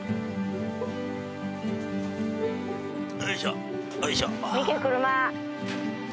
よいしょよいしょ三毛車。